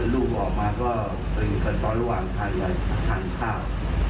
ลูกออกมาก็เป็นตอนระหว่างใส่ข้าว